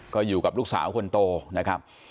ก็อยู่กับลูกสาวคนโตนะครับ